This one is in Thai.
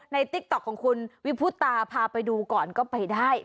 ติ๊กต๊อกของคุณวิพุตาพาไปดูก่อนก็ไปได้